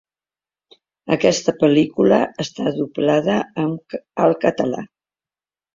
Aquesta pel·lícula està doblada al català.